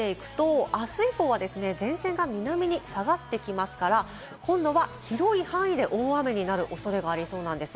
さらに見ていくと、あす以降は前線が南に下がってきますから、今度は広い範囲で大雨になる恐れがありそうなんです。